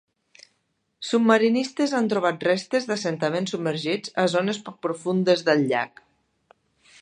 Submarinistes han trobat restes d'assentaments submergits a zones poc profundes del llac.